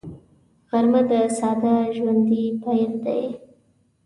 غرمه د ساده ژوندي پېر دی